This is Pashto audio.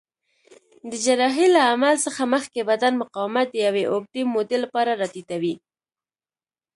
د جراحۍ له عمل څخه مخکې بدن مقاومت د یوې اوږدې مودې لپاره راټیټوي.